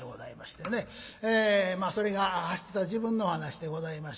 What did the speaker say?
まあそれが走っていた時分のお噺でございまして。